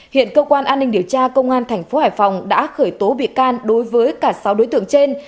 hiện cơ quan an ninh điều tra công an tp hải phòng đã khởi tố bị can đối với cả sáu đối tượng trên